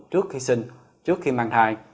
trước khi sinh trước khi mang thai